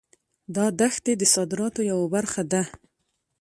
دا دښتې د صادراتو یوه برخه ده.